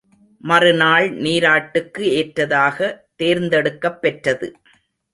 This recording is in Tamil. மறுநாள் நீராட்டுக்கு ஏற்றதாகத் தேர்ந்தெடுக்கப் பெற்றது.